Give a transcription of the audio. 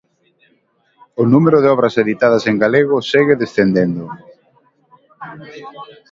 O número de obras editadas en galego segue descendendo.